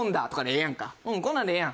こんなんでええやん。